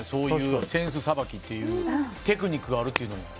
扇子さばきっていうテクニックがあるのというのは。